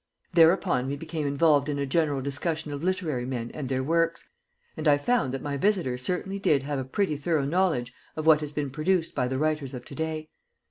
Thereupon we became involved in a general discussion of literary men and their works, and I found that my visitor certainly did have a pretty thorough knowledge of what has been produced by the writers of to day.